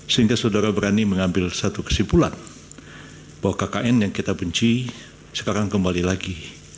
sehingga saudara berani mengambil satu kesimpulan bahwa kkn yang kita benci sekarang kembali lagi